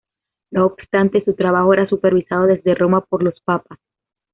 No obstante, su trabajo era supervisado desde Roma por los papas.